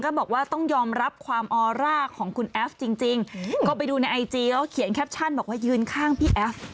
บอกว่าต้องยอมรับความออร่าของคุณแอฟจริงก็ไปดูในไอจีแล้วเขียนแคปชั่นบอกว่ายืนข้างพี่แอฟ